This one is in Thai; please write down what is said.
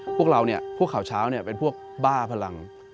พวกเราเนี่ยพวกข่าวเช้าเป็นพวกบ้าพลัง